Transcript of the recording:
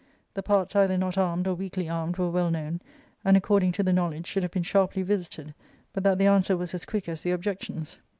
The parts either not armed or weakly armed were well known, and, according to the knowledge, should have been sharply visited but that the answer was as quick as the objections.